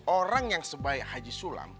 orang yang sebaik haji sulam